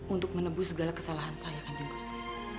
untuk menebus segala kesalahan saya kanjeng gusti